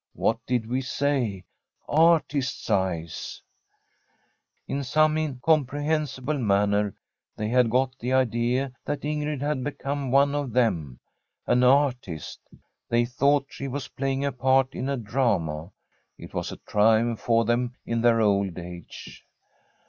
* What did we say ? Artist's eyes !' In some incomprehensible manner they had got the idea that Ingrid had become one of them, an artist. They thought she was playing a part in a drama. It was a triumph for them in their old age.